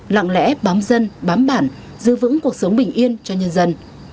lặng lẽ bám dân bám bản giữ vững cuộc sống bình yên cho nhân dân